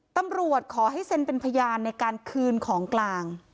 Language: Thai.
ตำรวจขอให้เซ็นเป็นพยานในการคืนของกลาง